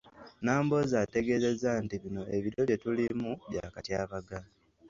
Nambooze ategeezezza nti bino ebiro bye tulimu bya katyabaga.